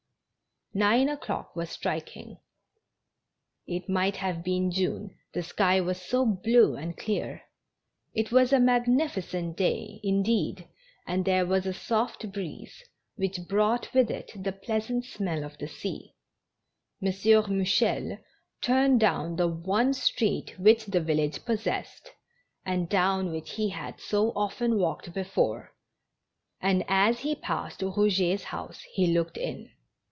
Nine o'clock was striking. It might have been June, the sky was so blue and clear; it was a magnifi cent day, indeed, and there Avas a soft breeze, which brought with it the pleasant smell of the sea. M. Mou chel turned down the one street which the village pos sessed, and down which he had so often walked before, and as he passed Eouget's house, he looked in.